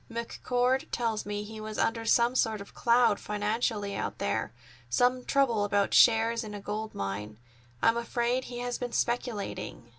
McCord tells me he was under some sort of a cloud financially out there—some trouble about shares in a gold mine. I'm afraid he has been speculating.